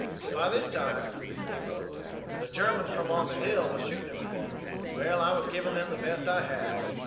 "By this time," he wrote; "the Germans from on the hill was shooting at me. 'Well, I was giving them the best I had."